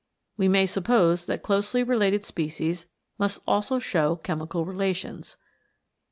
We may suppose that closely related species must also show chemical relations.